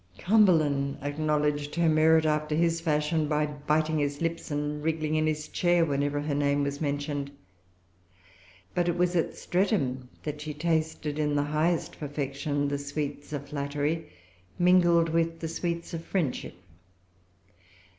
Cumberland acknowledged her merit, after his fashion, by[Pg 351] biting his lips and wriggling in his chair whenever her name was mentioned. But it was at Streatham that she tasted, in the highest perfection, the sweets of flattery, mingled with the sweets of friendship.